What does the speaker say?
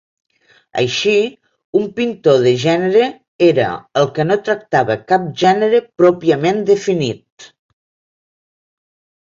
Així, un pintor de gènere era el que no tractava cap gènere pròpiament definit.